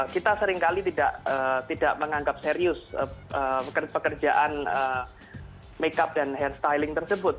kita seringkali tidak menganggap serius pekerjaan makeup dan haid styling tersebut